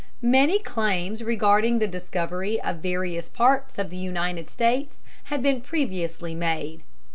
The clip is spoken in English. Many claims regarding the discovery of various parts of the United States had been previously made.